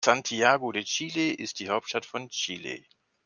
Santiago de Chile ist die Hauptstadt von Chile.